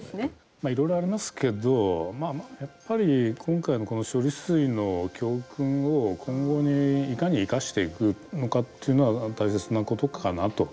いろいろありますけどやっぱり今回のこの処理水の教訓を今後にいかに生かしていくのかっていうのは大切なことかなと。